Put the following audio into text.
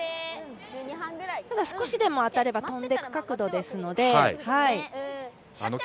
ただ、少しでも当たれば飛んでいく角度ですので。